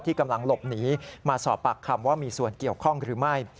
กำลังหลบหนีมาสอบปากคำว่ามีส่วนเกี่ยวข้องหรือไม่